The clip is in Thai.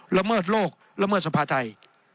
ละเมิดโลกละเมิดสภาไทย